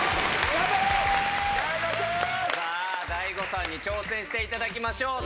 ＤＡＩＧＯさんに挑戦していただきましょう。